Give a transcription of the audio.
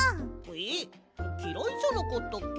えっきらいじゃなかったっけ？